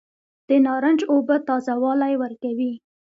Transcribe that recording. د نارنج اوبه تازه والی ورکوي.